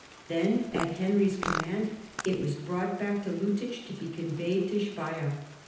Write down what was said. Then, at Henry's command, it was brought back to Ltittich, to be conveyed to Speier.